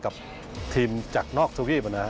กับทีมจากนอกทุกวีป